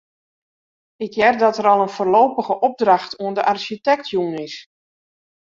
Ik hear dat der al in foarlopige opdracht oan de arsjitekt jûn is.